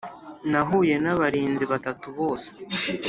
Nahuye n’abarinzi batatu bose